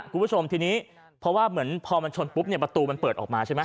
คุณผู้ชมทีนี้เพราะว่าเหมือนพอมันชนปุ๊บเนี่ยประตูมันเปิดออกมาใช่ไหม